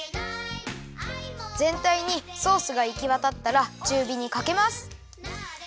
ぜんたいにソースがいきわたったらちゅうびにかけます。